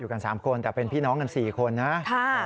กัน๓คนแต่เป็นพี่น้องกัน๔คนนะ